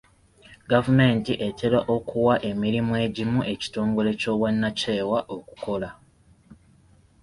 Gavumenti etera okuwa emirimu egimu ekitongole ky'obwannakyewa okukola.